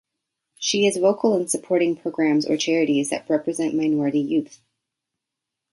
She is vocal in supporting programs or charities that represent minority youths.